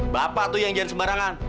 bapak tuh yang jangan sembarangan